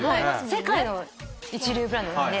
世界の一流ブランドなんで。